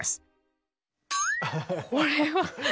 これは。